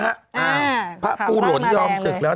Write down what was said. อ้าอถามบ้านมาแรงเลยพ่อปูหลนยอมศึกแล้ว